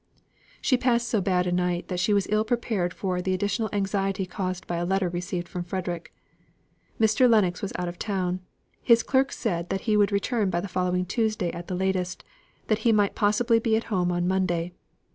She passed so bad a night that she was ill prepared for the additional anxiety caused by a letter received from Frederick. Mr. Lennox was out of town; his clerk said that he would return by the following Tuesday at the latest; that he might possibly be home on Monday.